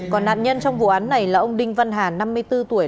còn nạn nhân trong vụ án này là ông đinh văn hà năm mươi bốn tuổi